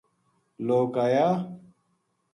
لوک اَیا